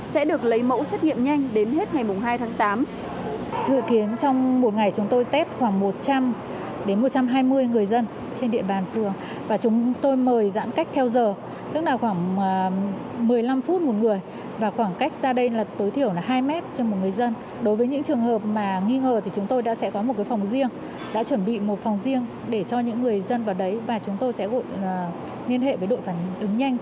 sẽ được lấy mẫu xét nghiệm nhanh đến hết ngày hai tháng tám